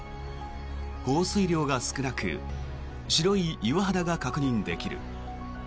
放水量が少なく白い岩肌が確認できる。